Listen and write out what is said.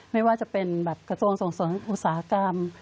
ไม่ว่าจะเป็นแบบกระเซงส่วนอุตสาหกรรม